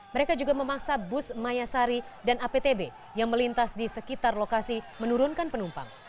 mereka juga memaksa bus mayasari dan aptb yang melintas di sekitar lokasi menurunkan penumpang